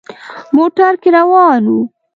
موټر کې روان وو.